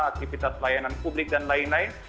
aktivitas layanan publik dan lain lain